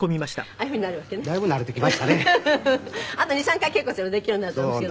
あと２３回稽古すればできるようになると思いますけど。